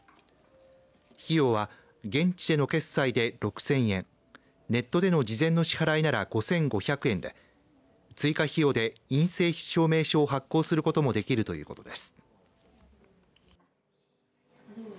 費用は現地での決済で６０００円ネットでの事前の支払いなら５５００円で追加費用で陰性証明書を発行することもできるということです。